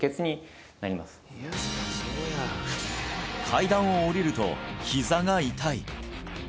階段を下りるとひざが痛い